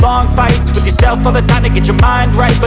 nunik ada permintaan apa sama ibu